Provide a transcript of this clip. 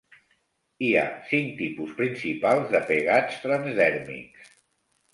Hi ha cinc tipus principals de pegats transdèrmics.